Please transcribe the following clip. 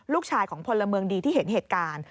ลูกชายของพลเมืองดีที่เห็นเหตุการณ์